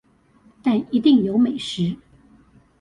但一定有美食